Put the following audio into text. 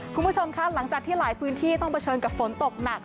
คุณผู้ชมคะหลังจากที่หลายพื้นที่ต้องเผชิญกับฝนตกหนัก